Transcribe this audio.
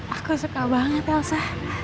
aku suka banget elsa